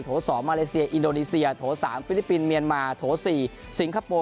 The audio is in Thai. ๒มาเลเซียอินโดนีเซียโถ๓ฟิลิปปินสเมียนมาโถ๔สิงคโปร์